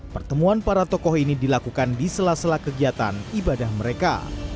pertemuan para tokoh ini dilakukan di sela sela kegiatan ibadah mereka